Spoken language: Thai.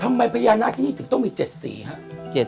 ทำไมพญานาคนี้ถึงต้องมี๗สีฮะ